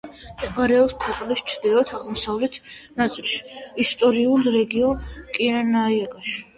მდებარეობს ქვეყნის ჩრდილო-აღმოსავლეთ ნაწილში, ისტორიულ რეგიონ კირენაიკაში.